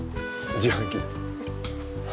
自販機。